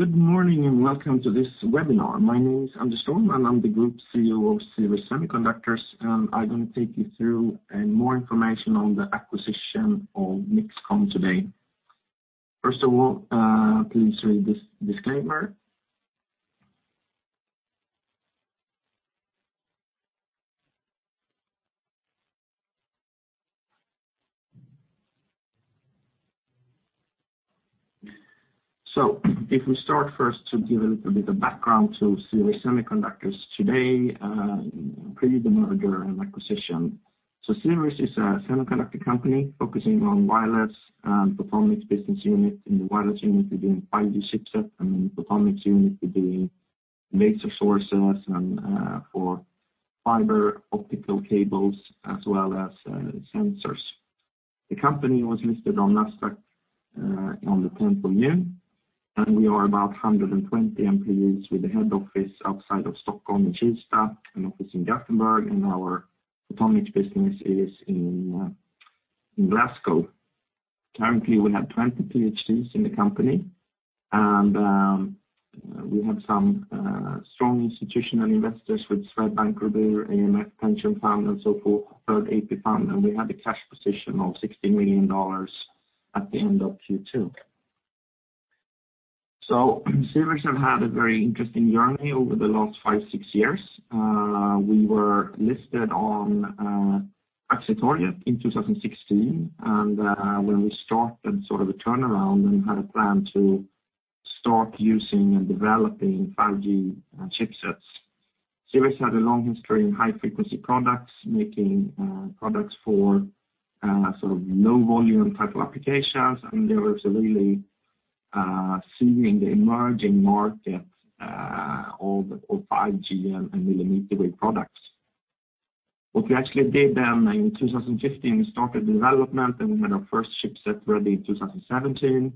Good morning, welcome to this webinar. My name is Anders Storm, and I'm the Group CEO of Sivers Semiconductors. I'm going to take you through more information on the acquisition of MixComm today. First of all, please read this disclaimer. If we start first to give a little bit of background to Sivers Semiconductors today, pre the merger and acquisition. Sivers is a semiconductor company focusing on wireless and photonics business unit. In the wireless unit, we're doing 5G chipset, and then photonics unit, we're doing laser sources for fiber optical cables as well as sensors. The company was listed on Nasdaq on the 10th of June, and we are about 120 employees with the head office outside of Stockholm in Kista, an office in Gothenburg, and our photonics business is in Glasgow. Currently, we have 20 PhDs in the company, and we have some strong institutional investors with Swedbank Robur, AMF pension fund, and so forth, Third AP Fund. We have a cash position of $60 million at the end of Q2. Sivers have had a very interesting journey over the last five, six years. We were listed on Aktietorget in 2016, and when we started sort of a turnaround, we had a plan to start using and developing 5G chipsets. Sivers had a long history in high-frequency products, making products for low volume type of applications, and they were really seeing the emerging market of 5G and mm wave products. What we actually did then in 2015, we started development, and we had our first chipset ready in 2017,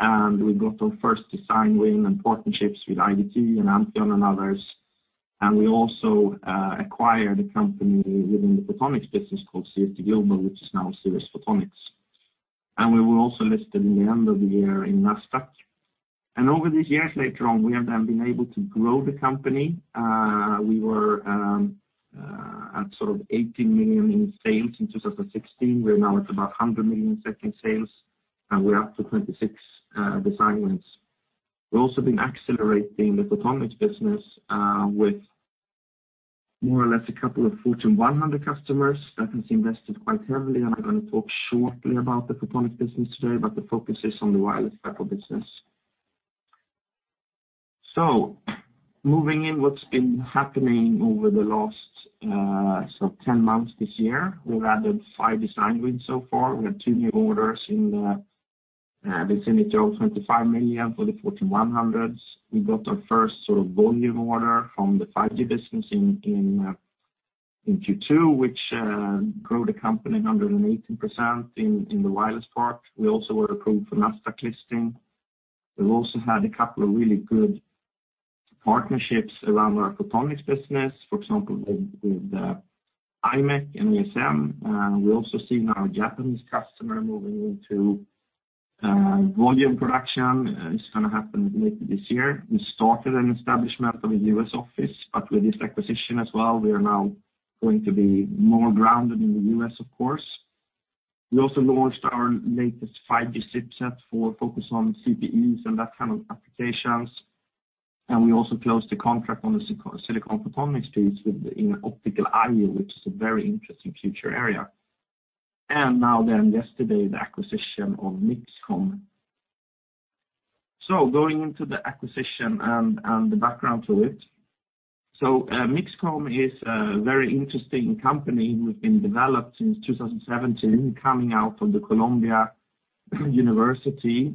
and we got our first design win and partnerships with IDT and Ampleon and others. We also acquired a company within the photonics business called CST Global, which is now Sivers Photonics. We were also listed in the end of the year in Nasdaq. Over these years later on, we have been able to grow the company. We were at sort of 18 million in sales in 2016. We're now at about 100 million SEK in sales, and we're up to 26 design wins. We've also been accelerating the photonics business, with more or less a couple of Fortune 100 customers that has invested quite heavily, and I'm going to talk shortly about the photonics business today, but the focus is on the wireless type of business. Moving in, what's been happening over the last 10 months this year, we've added five design wins so far. We had two new orders in the vicinity of 25 million for the Fortune 100s. We got our first volume order from the 5G business in Q2, which grew the company 118% in the wireless part. We also were approved for Nasdaq listing. We've also had a couple of really good partnerships around our photonics business, for example, with imec and ASML, and we're also seeing our Japanese customer moving into volume production. It's going to happen later this year. We started an establishment of a U.S. office, with this acquisition as well, we are now going to be more grounded in the U.S., of course. We also launched our latest 5G chipset focused on CPEs and that kind of applications. We also closed a contract on the silicon photonics piece in optical I/O, which is a very interesting future area. Yesterday, the acquisition of MixComm. Going into the acquisition and the background to it. MixComm is a very interesting company who've been developed since 2017, coming out of Columbia University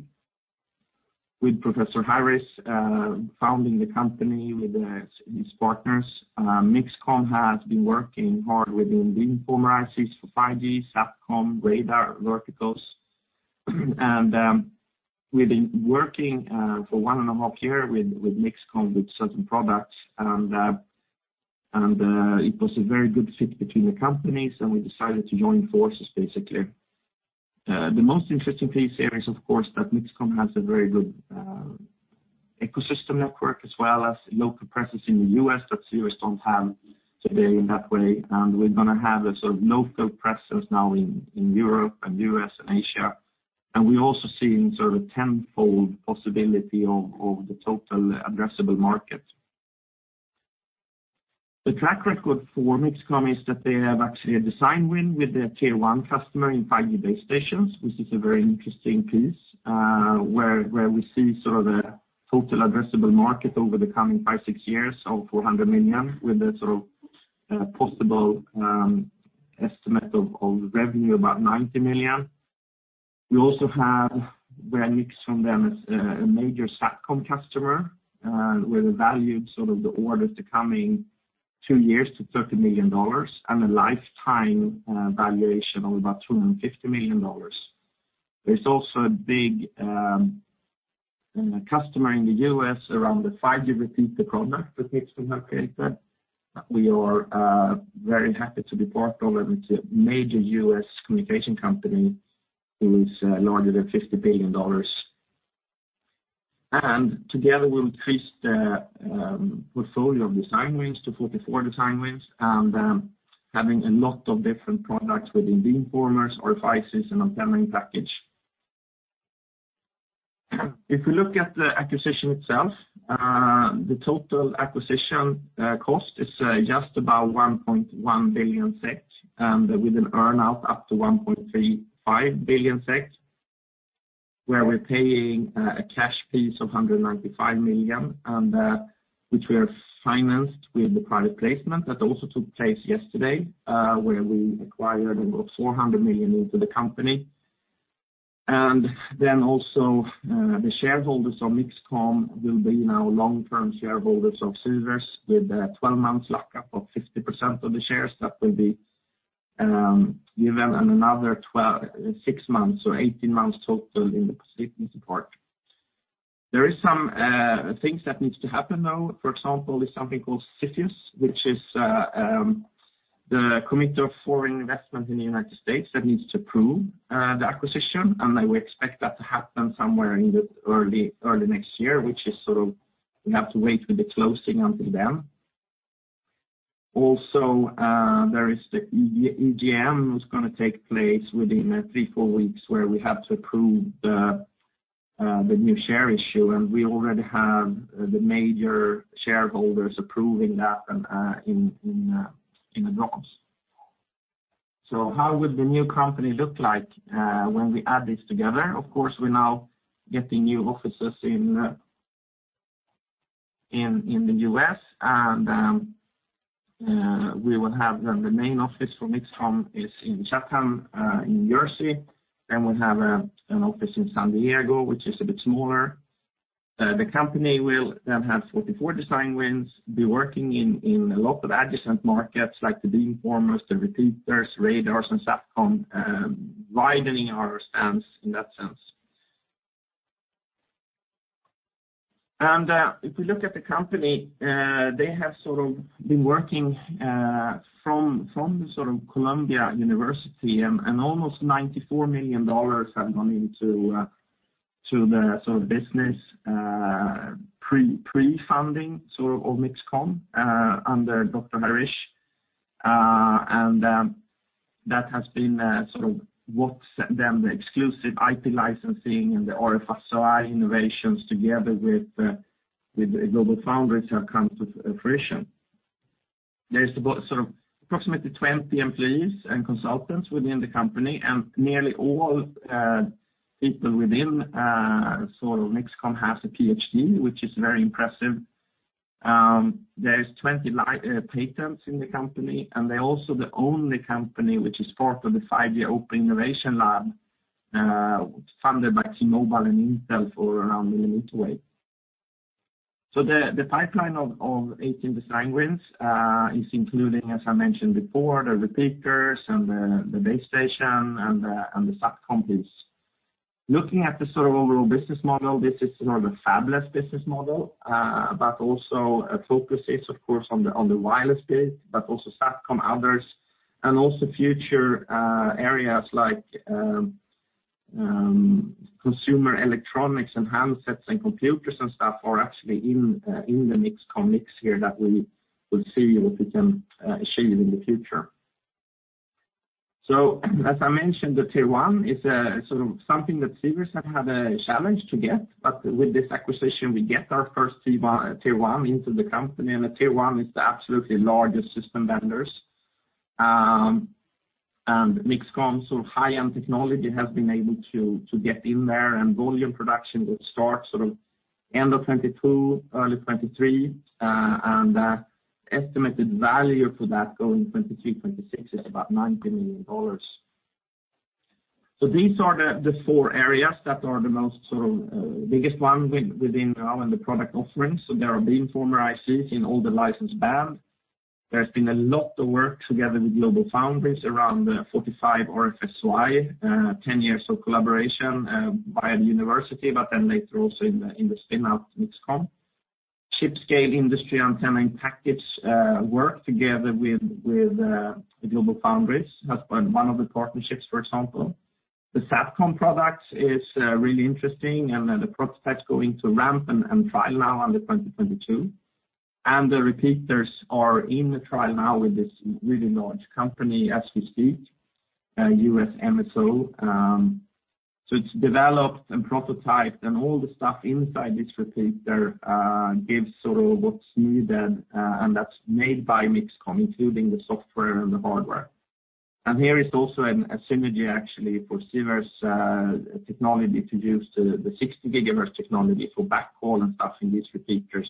with Professor Harish Krishnaswamy founding the company with his partners. MixComm has been working hard within beamformers, 6G, SatCom, radar verticals. We've been working for 1.5 years with MixComm with certain products, it was a very good fit between the companies, we decided to join forces. The most interesting piece here is, of course, that MixComm has a very good ecosystem network as well as local presence in the U.S. that Sivers don't have today in that way. We're going to have a sort of local presence now in Europe and U.S. and Asia. We're also seeing sort of 10-fold possibility of the total addressable market. The track record for MixComm is that they have actually a design win with a Tier 1 customer in 5G base stations, which is a very interesting piece, where we see sort of the total addressable market over the coming five, six years of $400 million, with a sort of possible estimate of revenue about $90 million. We also have where MixComm then has a major SatCom customer, where the value of sort of the orders the coming two years to $30 million, and a lifetime valuation of about $250 million. There's also a big and a customer in the U.S. around the 5G repeater product that MixComm located. We are very happy to be part of it with the major U.S. communication company who is larger than $50 billion. Together we'll increase the portfolio of design wins to 44 design wins and having a lot of different products within beamformers, RF ICs, and antenna-in-package. If we look at the acquisition itself, the total acquisition cost is just about 1.1 billion SEK, and with an earn out up to 1.35 billion SEK, where we're paying a cash piece of 195 million, and which we are financed with the private placement that also took place yesterday, where we acquired about 400 million into the company. Then also, the shareholders of MixComm will be now long-term shareholders of Sivers with a 12 months lock-up of 50% of the shares that will be given, and another six months, so 18 months total in the receiving support. There is some things that needs to happen, though. For example, is something called CFIUS, which is the Committee on Foreign Investment in the United States that needs to approve the acquisition. We expect that to happen somewhere in the early next year, which is sort of, we have to wait for the closing until then. There is the EGM that's going to take place within three, four weeks, where we have to approve the new share issue, and we already have the major shareholders approving that in advance. How would the new company look like when we add this together? Of course, we're now getting new offices in the U.S., and we will have the main office for MixComm is in Chatham, New Jersey, then we have an office in San Diego, which is a bit smaller. The company will have 44 design wins, be working in a lot of adjacent markets like the beamformers, the repeaters, radars and SatCom, widening our stance in that sense. If we look at the company, they have sort of been working, from the sort of Columbia University, and almost $94 million have gone into the sort of business pre-funding sort of MixComm, under Dr. Harish. That has been sort of what set them the exclusive IP licensing and the RF SOI innovations together with GlobalFoundries have come to fruition. There's about sort of approximately 20 employees and consultants within the company, and nearly all people within MixComm has a PhD, which is very impressive. There's 20 patents in the company, and they're also the only company which is part of the 5G Open Innovation Lab, funded by T-Mobile and Intel for around a millimeter wave. The pipeline of 18 design wins, is including, as I mentioned before, the repeaters and the base station and the SatCom piece. Looking at the sort of overall business model, this is sort of a fabless business model, but also a focus is of course on the wireless bit, but also SatCom others, and also future areas like consumer electronics and handsets and computers and stuff are actually in the MixComm mix here that we will see if we can show you in the future. As I mentioned, the Tier 1 is sort of something that Sivers have had a challenge to get. With this acquisition, we get our first Tier 1 into the company, and Tier 1 is the absolutely largest system vendors. MixComm's sort of high-end technology has been able to get in there and volume production will start sort of end of 2022, early 2023. Estimated value for that going 2023, 2026 is about $90 million. These are the four areas that are the most sort of biggest ones within the product offerings. There are beamformer ICs in all the licensed band. There's been a lot of work together with GlobalFoundries around the 45RFSOI, 10 years of collaboration via the university, but then later also in the spin-out MixComm. Chip scale industry Antenna-in-Package work together with GlobalFoundries. That's one of the partnerships, for example. The SatCom products is really interesting and the prototype's going to ramp and trial now under 2022. The repeaters are in the trial now with this really large company as we speak, U.S. MSO. It's developed and prototyped and all the stuff inside this repeater gives sort of what's needed, and that's made by MixComm, including the software and the hardware. Here is also a synergy actually for Sivers technology to use the 60 GHz technology for backhaul and stuff in these repeaters.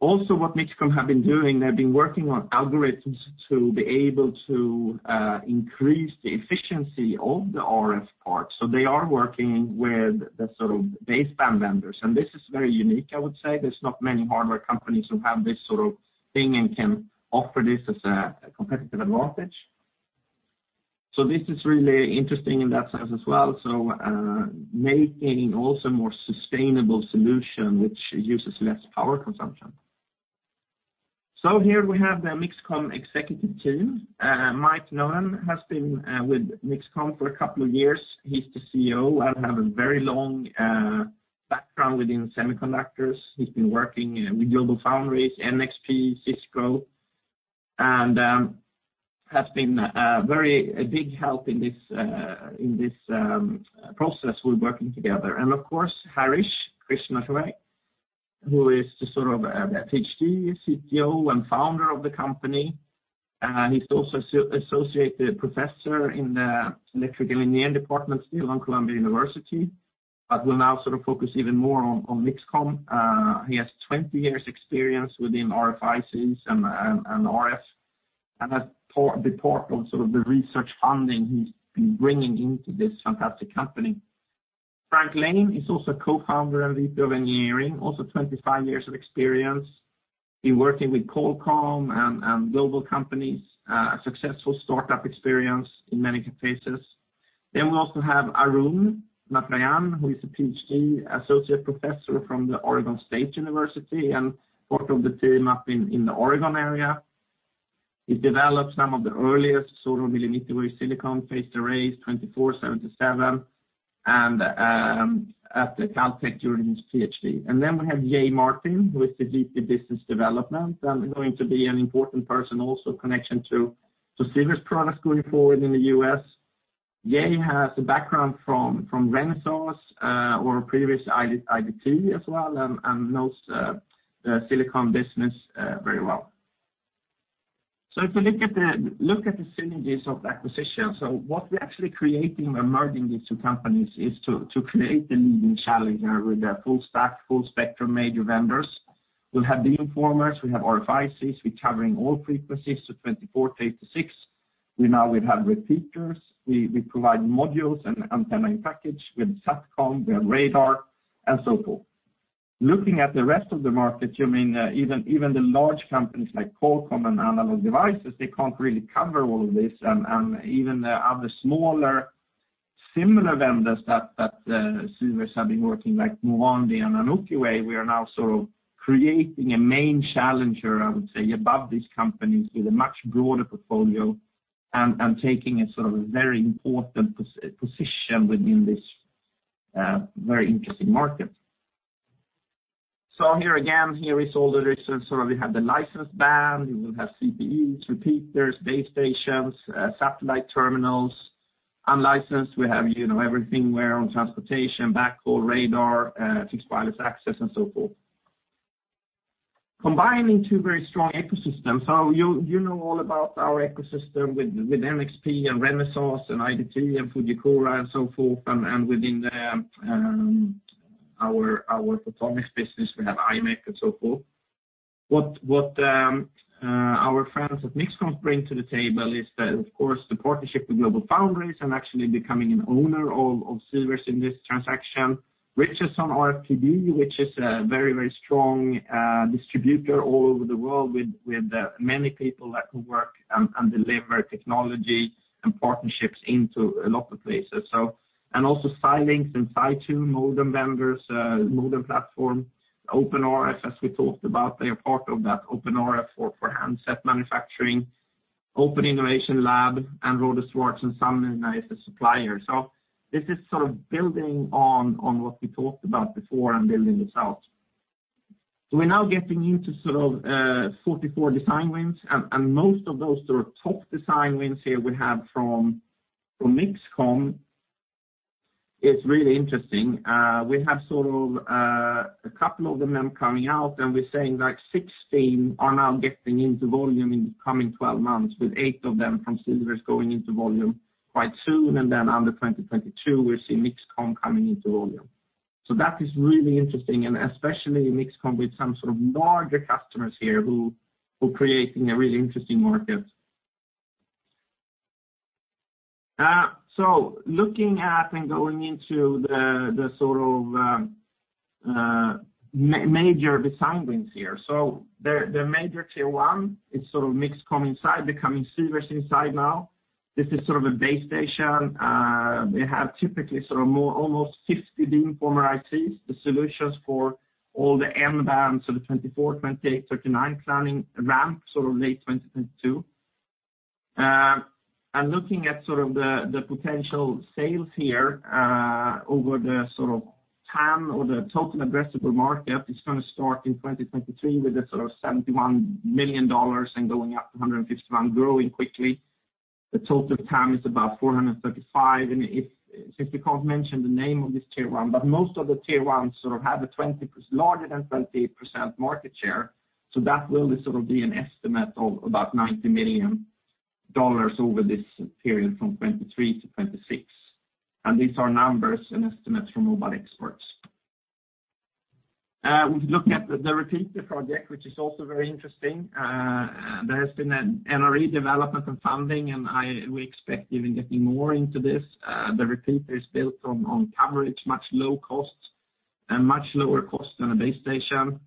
Also what MixComm have been doing, they've been working on algorithms to be able to increase the efficiency of the RF part. They are working with the sort of baseband vendors, and this is very unique, I would say. There's not many hardware companies who have this sort of thing and can offer this as a competitive advantage. This is really interesting in that sense as well, so making also more sustainable solution which uses less power consumption. Here we have the MixComm executive team. Mike Noonen has been with MixComm for a couple of years. He's the CEO, have a very long background within semiconductors. He's been working with GlobalFoundries, NXP, Cisco, and has been a big help in this process with working together. Of course, Harish Krishnaswamy, who is the sort of PhD, CTO, and founder of the company. He's also associate professor in the electrical engineer department still at Columbia University, but will now sort of focus even more on MixComm. He has 20 years' experience within RFICs and RF, and a big part of sort of the research funding he's been bringing into this fantastic company. Frank Lane is also co-founder and lead of engineering, also 25 years of experience in working with Qualcomm and global companies. A successful startup experience in many capacities. We also have Arun Natarajan, who is a PhD associate professor from the Oregon State University, and part of the team up in the Oregon area. He developed some of the earliest sort of millimeter wave silicon-based arrays 24/77 at the Caltech during his PhD. We have Jay Martin, who is the VP of business development, and going to be an important person also connection to Sivers products going forward in the U.S. Jay has a background from Renesas, or previous IDT as well, and knows the silicon business very well. If you look at the synergies of the acquisition, what we're actually creating by merging these two companies is to create the leading challenger with the full stack, full spectrum major vendors. We'll have beamformers, we have RF ICs, we're covering all frequencies, 24-86. We have repeaters. We provide modules and Antenna-in-Package. We have SatCom, we have radar and so forth. Looking at the rest of the market, even the large companies like Qualcomm and Analog Devices, they can't really cover all of this, and even the other smaller similar vendors that Sivers have been working, like Murata and Anokiwave, we are now sort of creating a main challenger, I would say, above these companies with a much broader portfolio, and taking a sort of very important position within this very interesting market. Here again, here is all the research. We have the licensed band, we will have CPEs, repeaters, base stations, satellite terminals. Unlicensed, we have everything wireless transportation, backhaul, radar, fixed wireless access and so forth. Combining two very strong ecosystems. You know all about our ecosystem with NXP and Renesas and IDT and Fujikura and so forth, and within our photonics business, we have IMEC and so forth. What our friends at MixComm bring to the table is, of course, the partnership with GlobalFoundries and actually becoming an owner of Sivers in this transaction, Richardson RFPD, which is a very strong distributor all over the world with many people that can work and deliver technology and partnerships into a lot of places, also Xilinx and SiTune, modem vendors, modem platform, OpenRF, as we talked about, they are part of that OpenRF for handset manufacturing, Open Innovation Lab, and Rohde & Schwarz, and some nice suppliers. This is sort of building on what we talked about before and building this out. We're now getting into sort of 44 design wins, and most of those sort of top design wins here we have from MixComm. It's really interesting. We have sort of a couple of them coming out, and we're saying like 16 are now getting into volume in the coming 12 months, with eight of them from Sivers going into volume quite soon, and then under 2022, we're seeing MixComm coming into volume. That is really interesting, and especially MixComm with some sort of larger customers here who are creating a really interesting market. Looking at and going into the sort of major design wins here. The major tier 1 is sort of MixComm inside, becoming Sivers inside now. This is sort of a base station. They have typically sort of more almost 60 beamformer ICs. The solutions for all the mmWave bands, so the 24, 28, 39 planning ramp sort of late 2022. Looking at sort of the potential sales here, over the sort of TAM or the total addressable market, it's going to start in 2023 with a sort of $71 million and going up to $151 million, growing quickly. The total TAM is about $435 million, since we can't mention the name of this Tier 1, but most of the tier 1s sort of have a larger than 28% market share. That will sort of be an estimate of about $90 million over this period from 2023 to 2026. These are numbers and estimates from Mobile Experts. We look at the repeater project, which is also very interesting. There has been NRE development and funding, we expect even getting more into this. The repeater is built on coverage, much lower cost than a base station.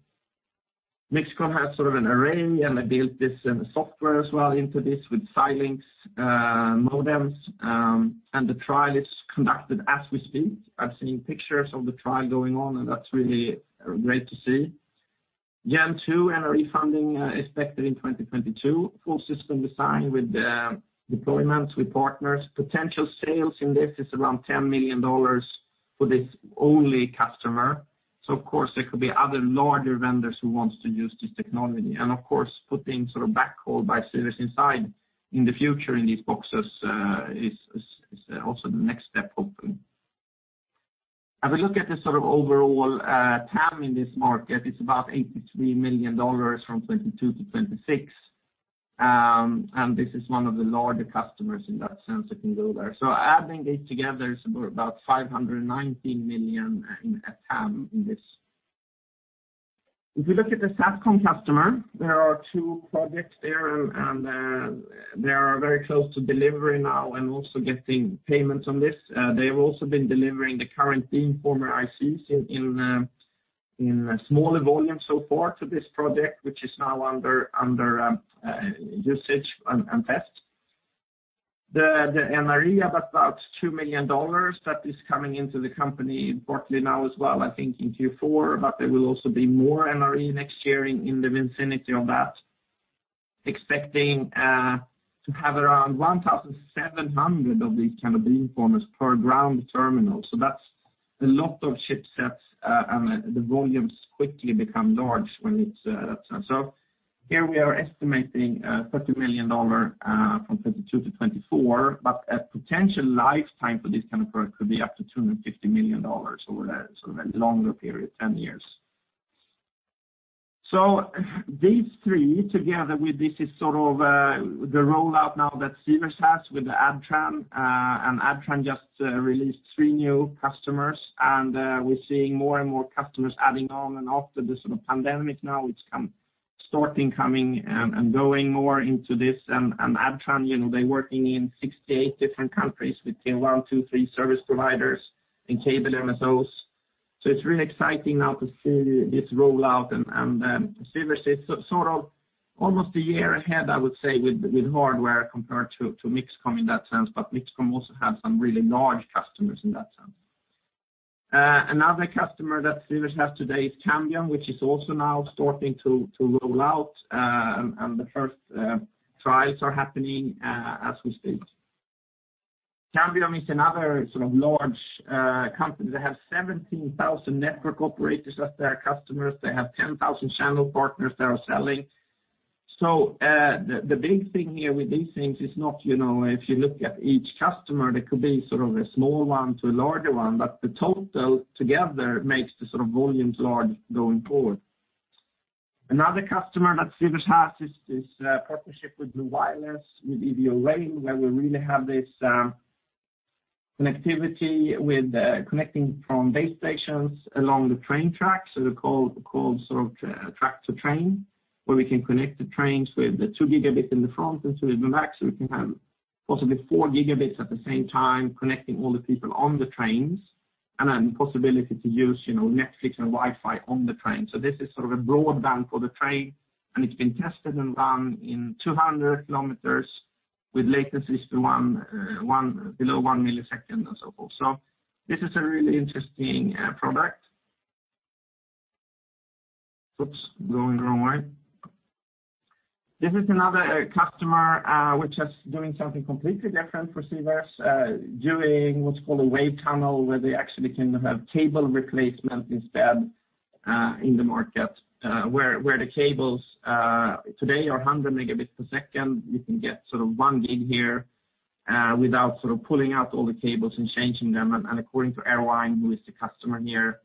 MixComm has an array, and they built this software as well into this with Xilinx modems, and the trial is conducted as we speak. I've seen pictures of the trial going on, and that's really great to see. Gen 2 NRE funding expected in 2022. Full system design with deployments with partners. Potential sales in this is around SEK 10 million for this only customer. Of course, there could be other larger vendors who wants to use this technology. Of course, putting backhaul by Sivers inside in the future in these boxes, is also the next step, hopefully. As we look at this overall TAM in this market, it's about SEK 83 million from 2022 to 2026. This is one of the larger customers in that sense that can go there. Adding it together is about 519 million in TAM in this. If you look at the SatCom customer, there are two projects there, and they are very close to delivery now and also getting payments on this. They've also been delivering the current beamformer ICs in smaller volume so far to this project, which is now under usage and test. The NRE of about $2 million, that is coming into the company shortly now as well, I think in Q4, but there will also be more NRE next year in the vicinity of that. Expecting to have around 1,700 of these kind of beamformers per ground terminal. That's a lot of chipsets, and the volumes quickly become large when we are estimating SEK 30 million from 2022 to 2024, but a potential lifetime for this kind of product could be up to SEK 250 million over that longer period, 10 years. These three, together with this is sort of the rollout now that Sivers has with the Adtran. Adtran just released three new customers, and we're seeing more and more customers adding on. After this pandemic now, it's starting coming and going more into this. Adtran, they're working in 68 different countries with Tier 1, 2, 3 service providers and cable MSOs. It's really exciting now to see this rollout and Sivers is almost a year ahead, I would say, with hardware compared to MixComm in that sense, but MixComm also have some really large customers in that sense. Another customer that Sivers has today is Cambium, which is also now starting to roll out, and the first trials are happening as we speak. Cambium is another large company. They have 17,000 network operators as their customers. They have 10,000 channel partners that are selling. The big thing here with these things is not if you look at each customer, they could be a small one to a larger one, but the total together makes the volumes large going forward. Another customer that Sivers has is this partnership with Blu Wireless with evo-rail, where we really have this connectivity with connecting from base stations along the train tracks. The called track to train, where we can connect the trains with the 2 Gb in the front and 2 in the back. We can have possibly 4 Gb at the same time connecting all the people on the trains, and then possibility to use Netflix and Wi-Fi on the train. This is a broadband for the train, and it's been tested and run in 200 kilometers with latencies below 1 ms and so forth. This is a really interesting product. Oops, going the wrong way. This is another customer, which is doing something completely different for Sivers. Doing what's called a WaveTunnel, where they actually can have cable replacement instead, in the market, where the cables, today are 100 megabits per second. We can get 1 gig here without pulling out all the cables and changing them. According to Airvine, who is the customer here,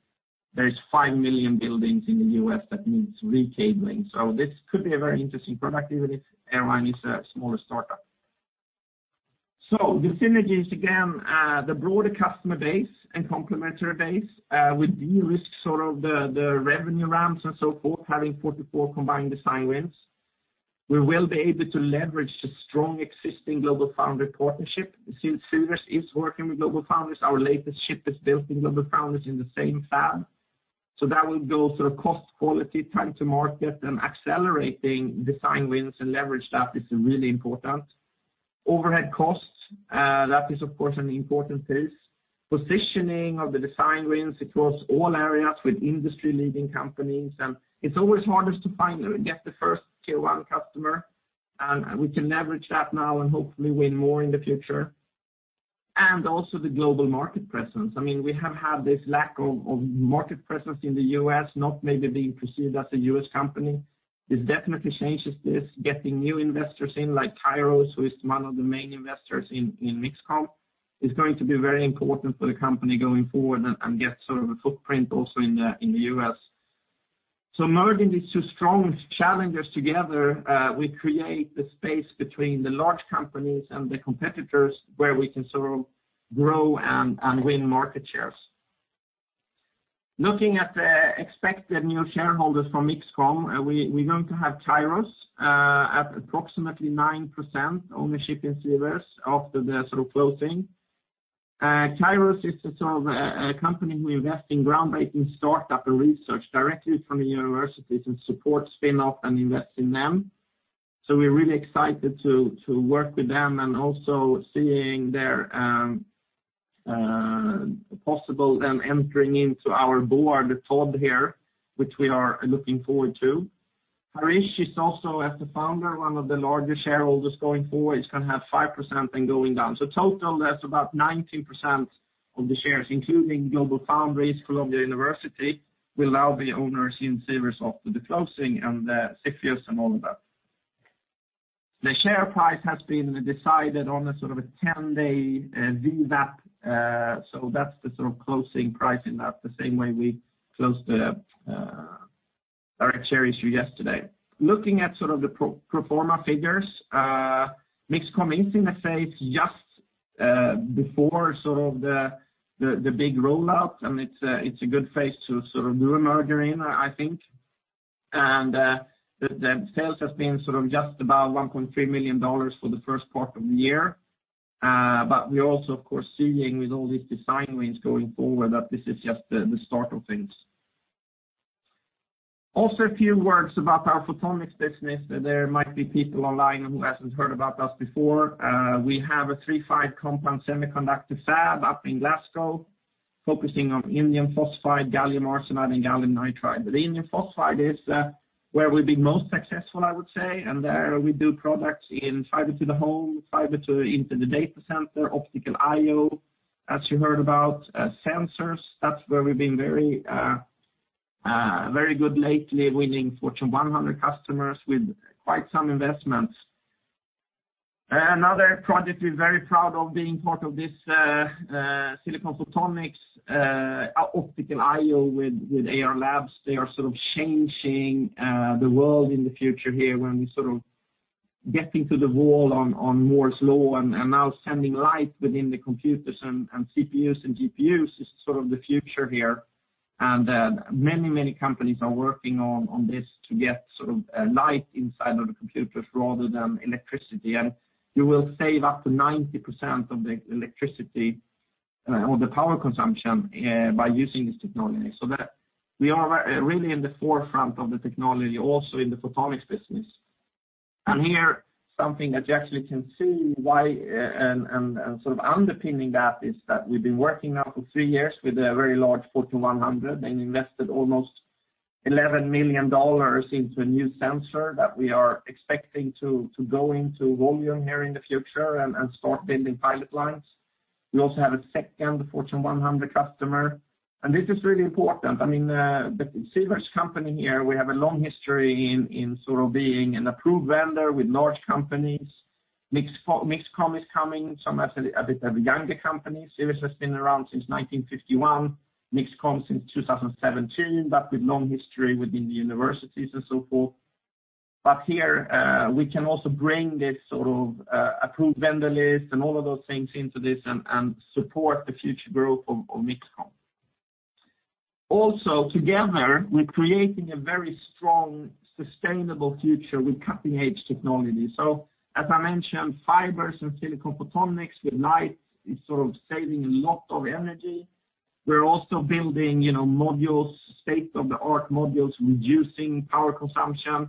there is 5 million buildings in the U.S. that needs recabling. This could be a very interesting product even if Airvine is a smaller startup. The synergies, again, the broader customer base and complementary base, we de-risk the revenue ramps and so forth, having 44 combined design wins. We will be able to leverage the strong existing GlobalFoundries partnership. Since Sivers is working with GlobalFoundries, our latest chip is built in GlobalFoundries in the same fab. That will go cost, quality, time to market, and accelerating design wins and leverage that is really important. Overhead costs, that is of course an important piece. Positioning of the design wins across all areas with industry-leading companies. It's always hardest to get the first tier one customer, and we can leverage that now and hopefully win more in the future. Also the global market presence. We have had this lack of market presence in the U.S., not maybe being perceived as a U.S. company. This definitely changes this, getting new investors in like Kairos, who is one of the main investors in MixComm, is going to be very important for the company going forward and get a footprint also in the U.S. Merging these two strong challengers together, we create the space between the large companies and the competitors where we can grow and win market shares. Looking at the expected new shareholders from MixComm, we're going to have Kairos at approximately 9% ownership in Sivers after the closing. Kairos is a company we invest in groundbreaking start-up and research directly from the universities and support spin-off and invest in them. We're really excited to work with them and also seeing their possible them entering into our board, Todd here, which we are looking forward to. Harish is also, as the founder, one of the largest shareholders going forward. He's going to have 5% and going down. Total, that's about 19% of the shares, including GlobalFoundries, Columbia University, will now be owners in Sivers after the closing and the six years and all of that. The share price has been decided on a sort of a 10-day VWAP, so that's the closing price, and that's the same way we closed our share issue yesterday. Looking at the pro forma figures, MixComm is in a phase just before the big rollout, and it's a good phase to do a merger in, I think. The sales has been just about $1.3 million for the first quarter of the year. We're also, of course, seeing with all these design wins going forward that this is just the start of things. Also a few words about our photonics business. There might be people online who hasn't heard about us before. We have a III-V compound semiconductor fab up in Glasgow focusing on indium phosphide, gallium arsenide, and gallium nitride. The indium phosphide is where we've been most successful, I would say, and there we do products in fiber to the home, fiber into the data center, optical I/O. As you heard about, sensors, that's where we've been very good lately, winning Fortune 100 customers with quite some investments. Another project we're very proud of being part of this silicon photonics, optical I/O with Ayar Labs. They are changing the world in the future here when we sort of getting to the wall on Moore's law and now sending light within the computers and CPUs and GPUs is sort of the future here. Many, many companies are working on this to get light inside of the computers rather than electricity. You will save up to 90% of the electricity or the power consumption by using this technology. That we are really in the forefront of the technology, also in the photonics business. Here, something that you actually can see why and sort of underpinning that is that we've been working now for three years with a very large Fortune 100 and invested almost $11 million into a new sensor that we are expecting to go into volume here in the future and start building pilot lines. We also have a second Fortune 100 customer, this is really important. The Sivers company here, we have a long history in being an approved vendor with large companies. MixComm is a bit of a younger company. Sivers has been around since 1951, MixComm since 2017, with long history within the universities and so forth. Here, we can also bring this approved vendor list and all of those things into this and support the future growth of MixComm. Also, together, we're creating a very strong, sustainable future with cutting-edge technology. As I mentioned, Sivers and silicon photonics with light is saving a lot of energy. We're also building state-of-the-art modules, reducing power consumption.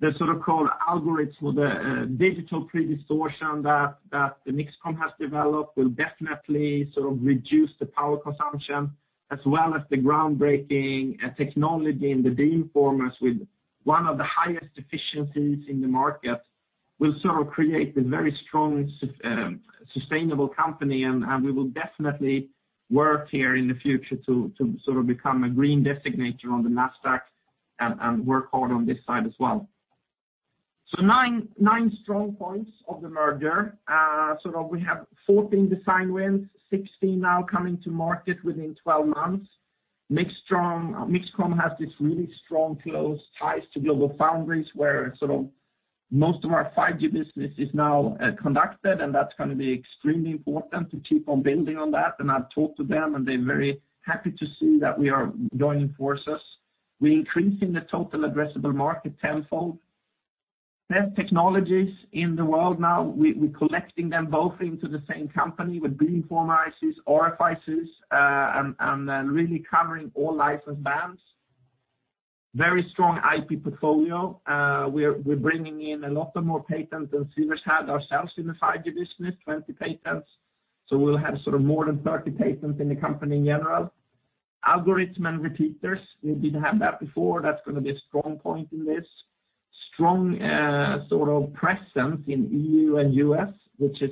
The sort of core algorithms for the digital pre-distortion that MixComm has developed will definitely reduce the power consumption, as well as the groundbreaking technology in the beamformers with one of the highest efficiencies in the market will create a very strong, sustainable company. We will definitely work here in the future to become a green designator on the Nasdaq and work hard on this side as well. Nine strong points of the merger. We have 14 design wins, 16 now coming to market within 12 months. MixComm has this really strong, close ties to GlobalFoundries, where most of our 5G business is now conducted, and that's going to be extremely important to keep on building on that. I've talked to them, and they're very happy to see that we are joining forces. We're increasing the total addressable market tenfold. Best technologies in the world now, we're collecting them both into the same company with beamformer ICs, RF ICs, and really covering all licensed bands. Very strong IP portfolio. We're bringing in a lot more patents than Sivers had ourselves in the 5G business, 20 patents. We'll have more than 30 patents in the company in general. Algorithm and repeaters, we didn't have that before. That's going to be a strong point in this. Strong presence in EU and U.S., which is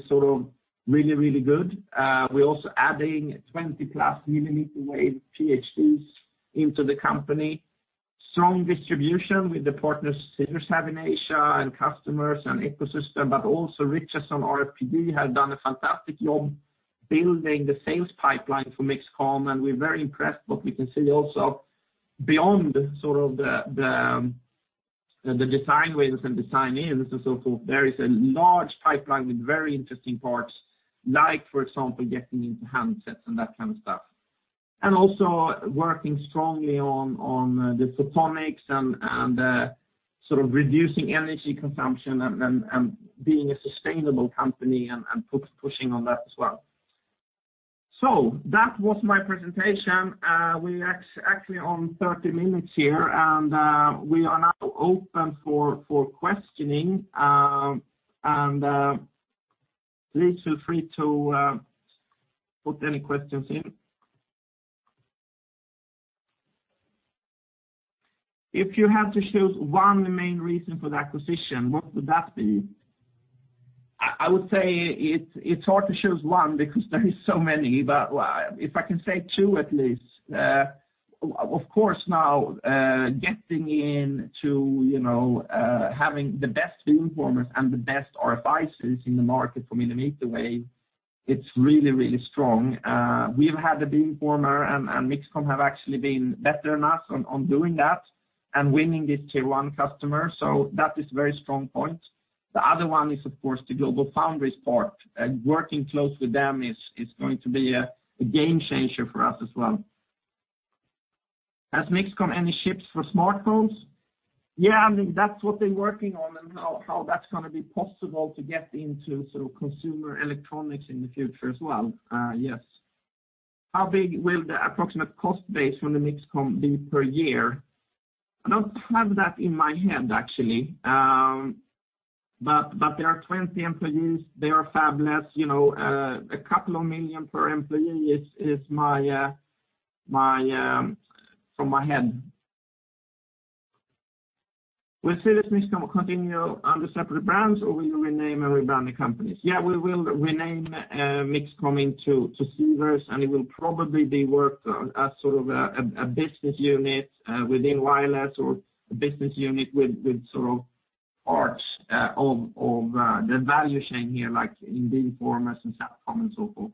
really, really good. We're also adding 20+ millimeter wave PhDs into the company. Strong distribution with the partners Sivers have in Asia and customers and ecosystem, but also Richardson RFPD has done a fantastic job building the sales pipeline for MixComm, and we're very impressed what we can see also beyond the design wins and design-ins and so forth. There is a large pipeline with very interesting parts, like, for example, getting into handsets and that kind of stuff. Also working strongly on the photonics and reducing energy consumption and being a sustainable company and pushing on that as well. That was my presentation. We're actually on 30 min here, and we are now open for questioning. Please feel free to put any questions in. If you had to choose one main reason for the acquisition, what would that be? I would say, it's hard to choose one because there is so many, but if I can say two at least, of course, now, getting in to having the best beamformers and the best RFICs in the market for millimeter wave, it's really strong. We've had the beamformer and MixComm have actually been better than us on doing that and winning this tier 1 customer. That is a very strong point. The other one is, of course, the GlobalFoundries part. Working close with them is going to be a game changer for us as well. Has MixComm any chips for smartphones? Yeah, that's what they're working on and how that's going to be possible to get into consumer electronics in the future as well. Yes. How big will the approximate cost base from the MixComm be per year? I don't have that in my hand, actually. There are 20 employees. They are fabless. A couple of million per employee is from my head. Will Sivers MixComm continue under separate brands, or will you rename and rebrand the companies? Yeah, we will rename MixComm into Sivers, and it will probably be worked on as a business unit within wireless or a business unit with parts of the value chain here, like in beamformers and SatCom and so forth.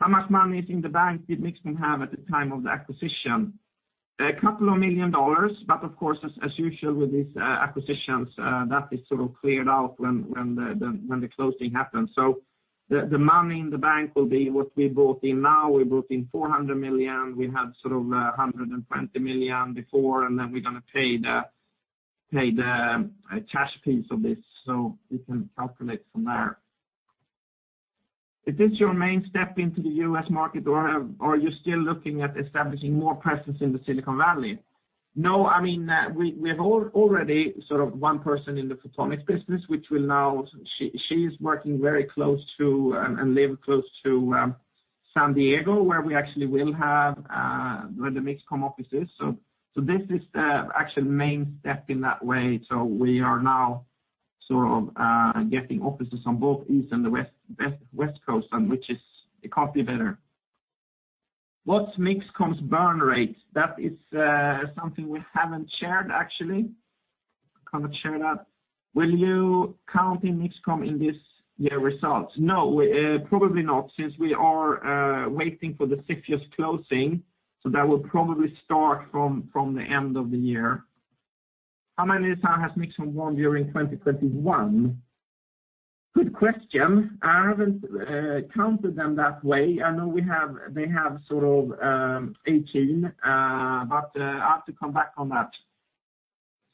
How much money is in the bank did MixComm have at the time of the acquisition? A couple of million dollars, of course, as usual with these acquisitions, that is cleared out when the closing happens. The money in the bank will be what we brought in now. We brought in 400 million. We had 120 million before, then we're going to pay the cash piece of this. You can calculate from there. Is this your main step into the U.S. market, or are you still looking at establishing more presence in Silicon Valley? No, we have already one person in the photonics business. She's working very close to and lives close to San Diego, where the MixComm office is. This is the actual main step in that way. We are now getting offices on both the East and the West Coast, which, it can't be better. What's MixComm's burn rate? That is something we haven't shared, actually. Can't share that. Will you count in MixComm in this year's results? No, probably not, since we are waiting for the six-year closing. That will probably start from the end of the year. How many staff has MixComm during 2021? Good question. I haven't counted them that way. I know they have 18, but I have to come back on that.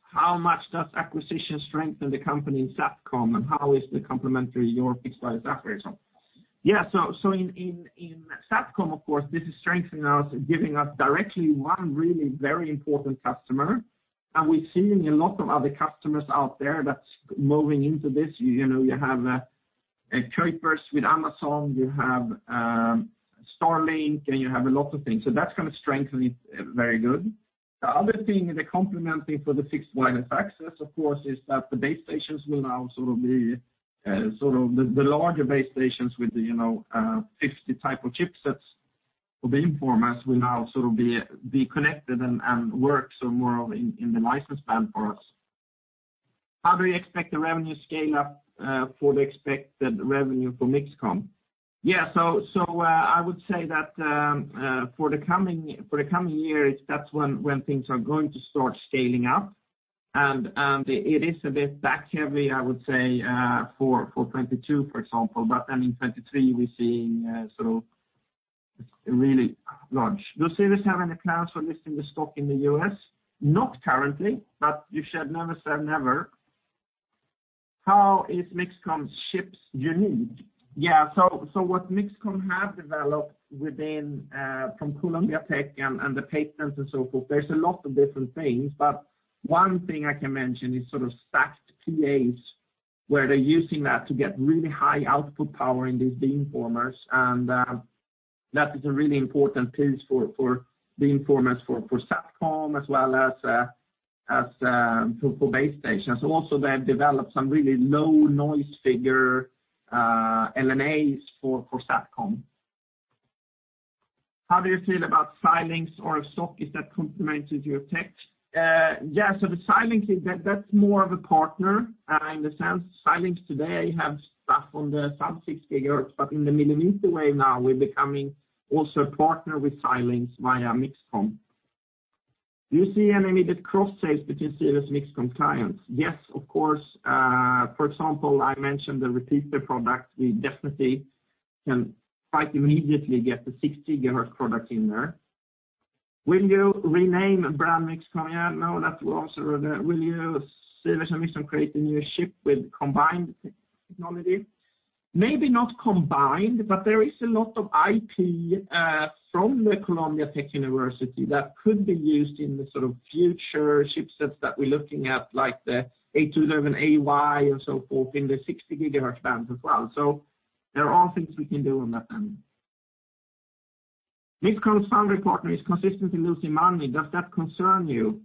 How much does acquisition strengthen the company in SatCom, and how is the complementary your fixed wireless access? In SatCom, of course, this is strengthening us, giving us directly one really very important customer. We're seeing a lot of other customers out there that's moving into this. You have Kuiper with Amazon, you have Starlink, you have a lot of things. That's going to strengthen it very good. The other thing, the complementing for the fixed wireless access, of course, is that the larger base stations with the 50 type of chipsets for beamformers will now be connected and work somewhere in the license band for us. How do you expect the revenue scale up for the expected revenue for MixComm? I would say that for the coming year, that's when things are going to start scaling up, it is a bit back-heavy, I would say, for 2022, for example. In 2023, we're seeing really large. Do Sivers have any plans for listing the stock in the U.S.? Not currently, you should never say never. How is MixComm's chips unique? Yeah, what MixComm have developed from Columbia University and the patents and so forth, there's a lot of different things, but one thing I can mention is stacked PAs, where they're using that to get really high output power in these beamformers, and that is a really important piece for beamformers for SatCom as well as for base stations. Also, they've developed some really low noise figure LNAs for SatCom. How do you feel about Xilinx or SOC? Is that complemented your tech? The Xilinx, that's more of a partner in the sense Xilinx today have stuff on the sub 6 GHz, but in the millimeter wave now, we're becoming also a partner with Xilinx via MixComm. Do you see any immediate cross sales between Sivers and MixComm clients? Yes, of course. For example, I mentioned the repeater product. We definitely can quite immediately get the 60 GHz product in there. Will you rename brand MixComm? No, that will answer that. Will you, Sivers and MixComm, create a new chip with combined technology? Maybe not combined, there is a lot of IP from the Columbia University that could be used in the future chipsets that we're looking at, like the 802.11ay and so forth, in the 60 GHz band as well. There are things we can do on that end. MixComm foundry partner is consistently losing money. Does that concern you?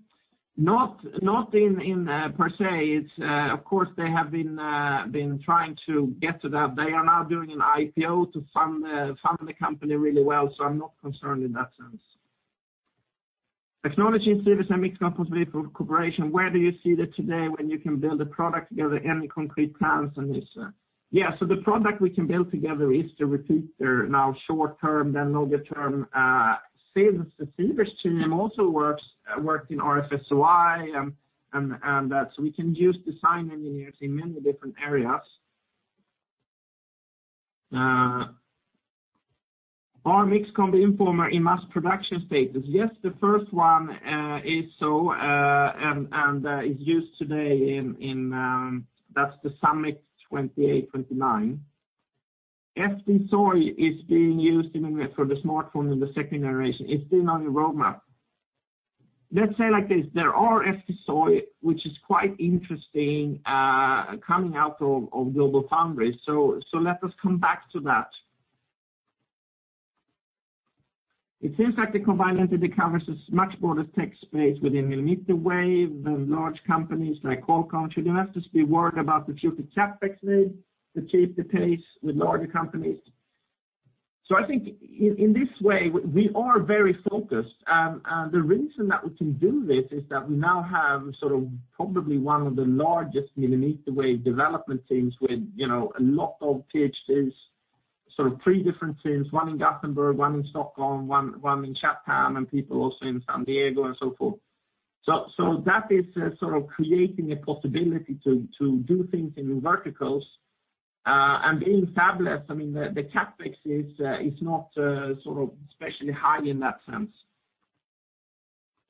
Not per se. They have been trying to get to that. They are now doing an IPO to fund the company really well. I'm not concerned in that sense. Technology in Sivers and MixComm possibility for cooperation, where do you see that today when you can build a product together? Any concrete plans on this? The product we can build together is the repeater, now short term, then longer term. Sivers team also worked in RF SOI, and that. We can use design engineers in many different areas. Are MixComm the beamformer in mass production status? Yes, the first one is so, and is used today in, that's the SUMMIT 2629. FD-SOI is being used for the smartphone in the second generation. It's still on your roadmap. Let's say it like this, there are FD-SOI, which is quite interesting, coming out of GlobalFoundries. Let us come back to that. It seems like the combined entity covers a much broader tech space within millimeter wave than large companies like Qualcomm. Should investors be worried about the future CapEx need to keep the pace with larger companies? I think in this way, we are very focused. The reason that we can do this is that we now have probably one of the largest millimeter wave development teams with a lot of PhDs, three different teams, one in Gothenburg, one in Stockholm, one in Chatham, and people also in San Diego and so forth. That is creating a possibility to do things in verticals. Being fabless, the CapEx is not especially high in that sense.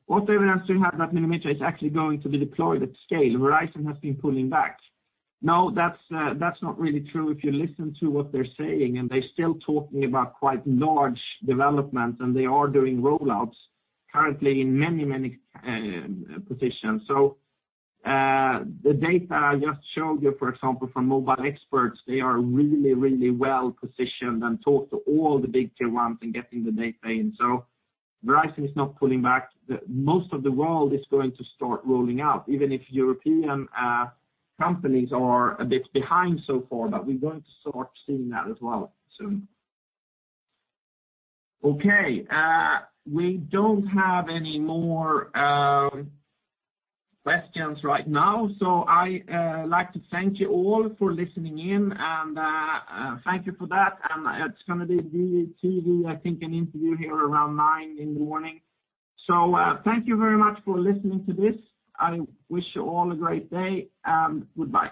What evidence do we have that millimeter is actually going to be deployed at scale? Verizon has been pulling back. That's not really true. If you listen to what they're saying, they're still talking about quite large developments, they are doing rollouts currently in many positions. The data I just showed you, for example, from Mobile Experts, they are really well-positioned and talk to all the big tier ones and getting the data in. Verizon is not pulling back. Most of the world is going to start rolling out, even if European companies are a bit behind so far, we're going to start seeing that as well soon. We don't have any more questions right now. I like to thank you all for listening in, and thank you for that. It's going to be TV, I think an interview here around 9:00 A.M. in the morning. Thank you very much for listening to this. I wish you all a great day, and goodbye.